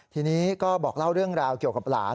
ทีนี้ก็บอกเล่าเรื่องราวเกี่ยวกับหลาน